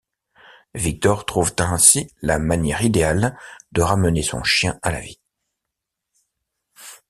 Victor trouve ainsi la manière idéale de ramener son chien à la vie.